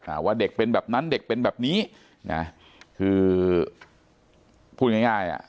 ว่าเด็กเป็นแบบนั้นเด็กเป็นแบบนี้นะคือพูดง่ายง่ายอ่ะ